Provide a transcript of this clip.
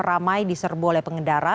ramai diserbu oleh pengendara